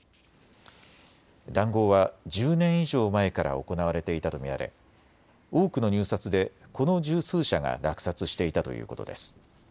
談合は１０年以上前から行われていたと見られ多くの入札で、この十数社が落札していたということです。